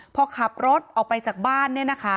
พอขับรถออกไปจากบ้านเนี่ยนะคะ